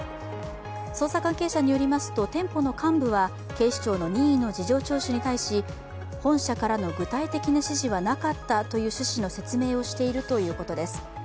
捜査関係者によりますと、店舗の幹部は警視庁の任意の事情聴取に対し、本社からの具体的な指示はなかったという趣旨の説明をしているということです。